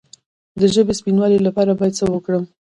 د ژبې د سپینوالي لپاره باید څه وکړم؟